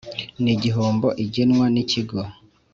n igihombo igenwa n Ikigo